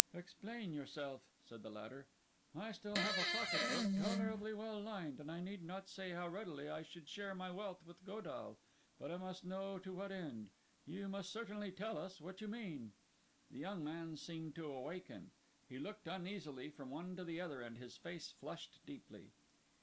"Explain yourself," said the latter. "I have still a pocket book tolerably well lined, and I need not say how readily I should share my wealth with Godall. But I must know to what end: you must certainly tell us what you mean." The young man seemed to awaken; he looked uneasily from one to the other, and his face flushed deeply.